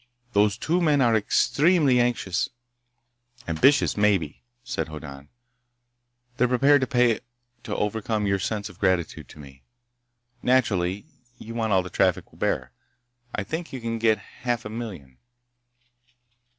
Those two men are extremely anxious—" "Ambitious, maybe," said Hoddan. "They're prepared to pay to overcome your sense of gratitude to me. Naturally, you want all the traffic will bear. I think you can get half a million."